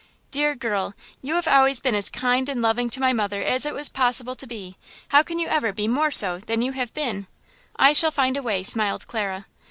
"Dear girl, you have always been as kind and loving to my mother as it was possible to be. How can you ever be more so than you have been?" "I shall find a way!" smiled Clara.